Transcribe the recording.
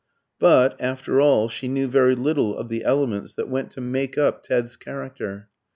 But, after all, she knew very little of the elements that went to make up Ted's character.